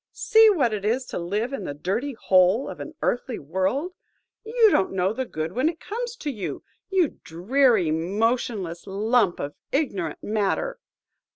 See what it is to live in the dirty hole of an earthly world! You don't know the good when it comes to you, you dreary, motionless lump of ignorant matter!